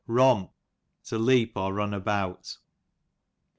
Romp, to leap^ or run about.